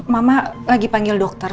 mama lagi panggil dokter